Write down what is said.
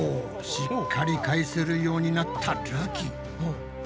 しっかり返せるようになったるき。